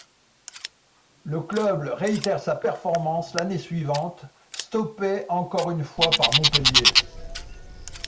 Le club réitère sa performance l'année suivante, stoppé encore une fois par Montpellier.